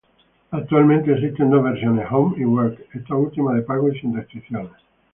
Actualmente existen dos versiones: "Home" y "Work" Esta última de pago y sin restricciones.